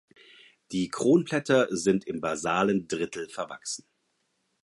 Die Kronblätter sind im basalen Drittel verwachsen.